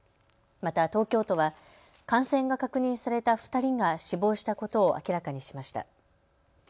また東京都は感染が確認された２人が死亡したことを明らかにしました。